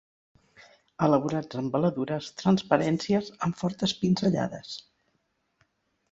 Elaborats amb veladures, transparències, amb fortes pinzellades.